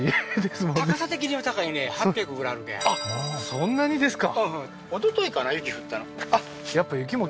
そんなにですか？